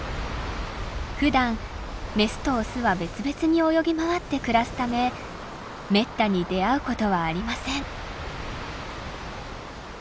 ふだんメスとオスは別々に泳ぎ回って暮らすためめったに出会うことはありません。